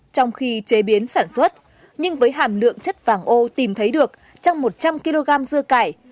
trong khi chế biến sản xuất nhưng với hàm lượng chất vàng ô tìm thấy được trong một trăm linh kg dưa cải